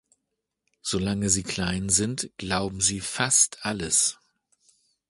Solange sie klein sind, glauben sie fast alles.